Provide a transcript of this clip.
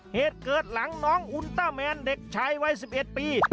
เหตุเกิดหลังน้องอุลต้าแมนเด็กชายวัย๑๑ปี